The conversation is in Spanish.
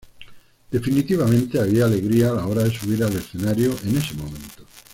Definitivamente había alegría a la hora de subir al escenario en ese momento.